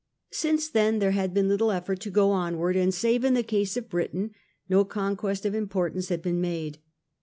Since then there had been little effort to go onward, and save in the case of Britain, no conquest of importance had been made.